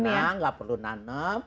tidak perlu nanam